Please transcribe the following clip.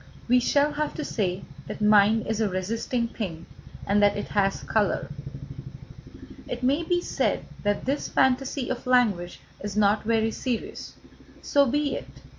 We shall have to say that mind is a resisting thing, and that it has colour. It may be said that this fantasy of language is not very serious. So be it.